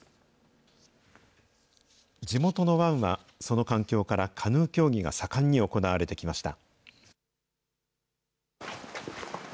地元の湾は、その環境からカヌー競技が盛んに行われてきました。